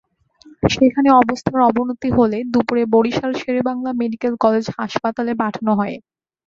সেখানে অবস্থার অবনতি হলে দুপুরে বরিশাল শেরেবাংলা মেডিকেল কলেজ হাসপাতালে পাঠানো হয়।